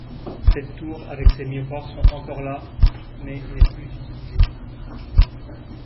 Cette tour avec ses miroirs sont encore là mais n'est plus utilisée.